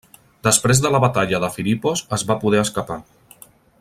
Després de la batalla de Filipos es va poder escapar.